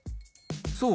そう。